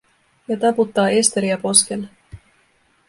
Ja taputtaa Esteriä poskelle.